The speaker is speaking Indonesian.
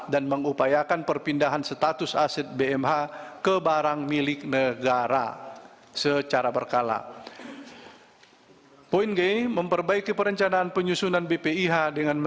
dan bpk ri sebanyak dua belas orang